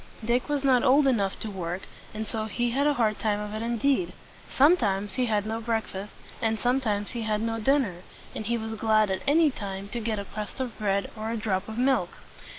Dick was not old enough to work, and so he had a hard time of it indeed. Sometimes he had no break fast, and sometimes he had no dinner; and he was glad at any time to get a crust of bread or a drop of milk.